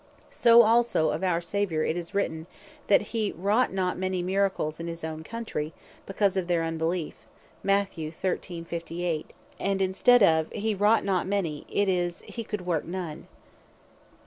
So also of our Saviour, it is written, (Mat. 13. 58.) that he wrought not many Miracles in his own countrey, because of their unbeleef; and (in Marke 6.5.) in stead of, "he wrought not many," it is, "he could work none."